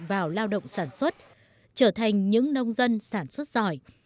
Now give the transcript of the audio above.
vào lao động sản xuất trở thành những nông dân sản xuất giỏi